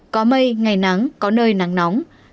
có mây ngày nắng có nơi nắng nóng